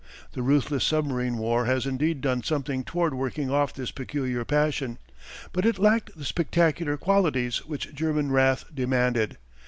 The ruthless submarine war has indeed done something toward working off this peculiar passion, but it lacked the spectacular qualities which German wrath demanded.